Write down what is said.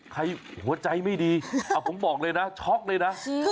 หัวใจไม่ดีผมบอกเลยนะช็อกเลยนะ